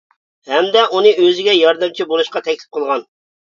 ھەمدە ئۇنى ئۆزىگە ياردەمچى بولۇشقا تەكلىپ قىلغان.